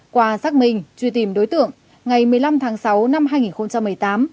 qua xác minh truy tìm đối tượng ngày một mươi năm tháng sáu năm hai nghìn một mươi tám